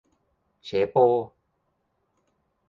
เฉโป ?